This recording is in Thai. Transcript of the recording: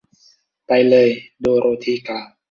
“ไปเลย ! ” โดโรธีกล่าว